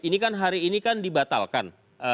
ini kan hari ini kan dibatalkan